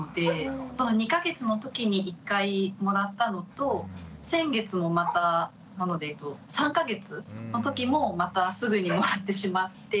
２か月のときに１回もらったのと先月もまたなので３か月のときもまたすぐにもらってしまって。